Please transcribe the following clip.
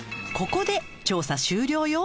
ここで調査終了よ。